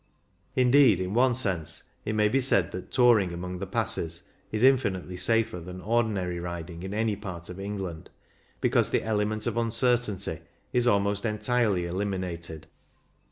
Indeed, in one sense, it may be said that touring among the passes is infinitely safer than ordinary riding in any part of England, because the element of uncertainty is almost entirely eliminated.